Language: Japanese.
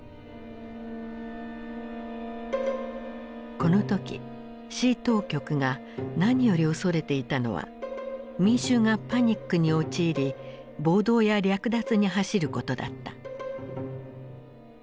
この時市当局が何より恐れていたのは民衆がパニックに陥り暴動や略奪に走ることだった。